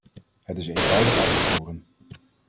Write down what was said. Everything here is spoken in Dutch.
Het is eenvoudig uit te voeren.